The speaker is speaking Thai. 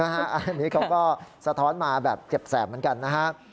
อันนี้เขาก็สะท้อนมาแบบเจ็บแสบเหมือนกันนะครับ